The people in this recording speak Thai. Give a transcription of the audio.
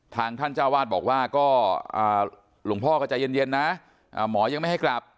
ท่านเจ้าวาดบอกว่าก็หลวงพ่อก็ใจเย็นนะหมอยังไม่ให้กลับ